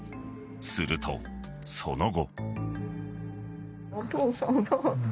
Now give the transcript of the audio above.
すると、その後。